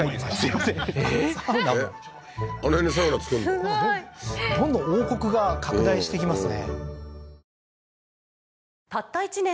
すごいどんどん王国が拡大してきますね